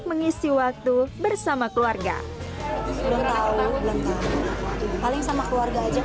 sengaja buat keluargamu